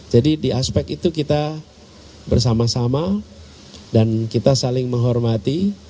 jadi di aspek itu kita bersama sama dan kita saling menghormati